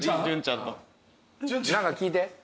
何か聞いて。